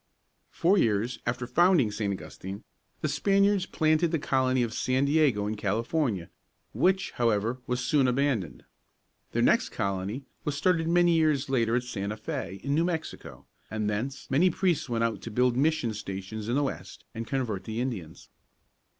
Four years after founding St. Augustine, the Spaniards planted the colony of San Diego in California, which, however, was soon abandoned. Their next colony was started many years later at Santa Fé (fā´), in New Mexico, and thence many priests went out to build mission stations in the West and convert the Indians.